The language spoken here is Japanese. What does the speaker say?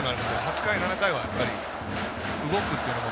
８回、７回はやっぱり動くというのも